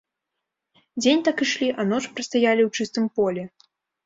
Дзень так ішлі, а ноч прастаялі ў чыстым полі.